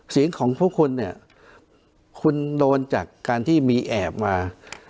เสียงของพวกคุณเนี่ยคุณโดนจากการที่มีแอบมา